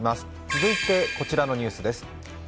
続いて、こちらのニュースです。